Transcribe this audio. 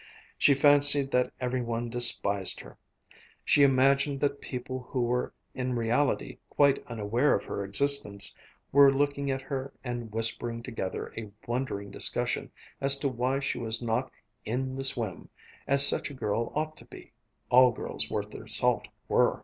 She fancied that every one despised her. She imagined that people who were in reality quite unaware of her existence were looking at her and whispering together a wondering discussion as to why she was not "in the swim" as such a girl ought to be all girls worth their salt were.